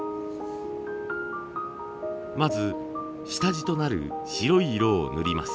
まず下地となる白い色を塗ります。